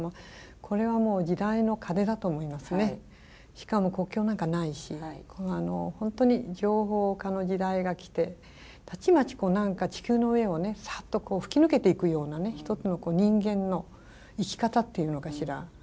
しかも国境なんかないし本当に情報化の時代が来てたちまち何か地球の上をサッと吹き抜けていくようなね一つの人間の生き方っていうのかしら